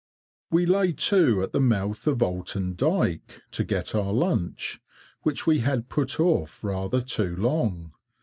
We lay to at the mouth of Oulton dyke, to get our lunch, which we had put off rather too long.